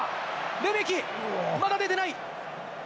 レメキ、まだ出てない。